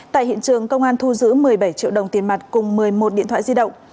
tại hiện trường công an thu giữ một mươi bảy triệu đồng tiền mặt cùng một mươi một điện thoại di động